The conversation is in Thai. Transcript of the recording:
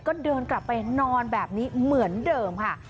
ก็เดินกลับไปนอนแบบนี้เหมือนเดิมค่ะ